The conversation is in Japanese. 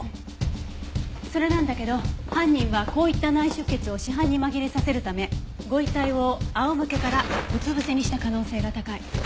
それなんだけど犯人はこういった内出血を死斑に紛れさせるためご遺体を仰向けからうつ伏せにした可能性が高い。